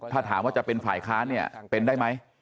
ถ้าถามว่าจะเป็นฝ่ายค้านเนี่ยเป็นได้ไหม